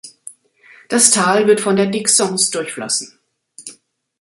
Das Tal wird von der Dixence durchflossen.